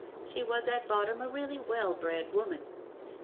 She was at bottom a really well bred woman.